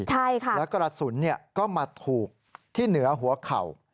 ใช่ค่ะแล้วกระสุนก็มาถูกที่เหนือหัวเข่า